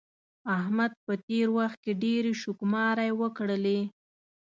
احمد په تېر وخت کې ډېرې شوکماری وکړلې.